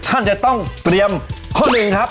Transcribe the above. ท่านจะต้องเตรียมข้อหนึ่งครับ